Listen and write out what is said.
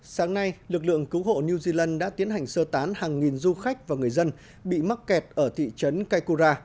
sáng nay lực lượng cứu hộ new zealand đã tiến hành sơ tán hàng nghìn du khách và người dân bị mắc kẹt ở thị trấn kaikura